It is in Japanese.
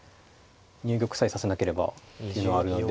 入玉さえさせなければっていうのはあるので。